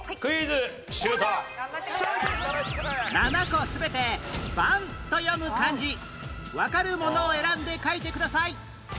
７個全て「ばん」と読む漢字わかるものを選んで書いてください